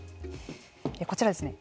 こちらですね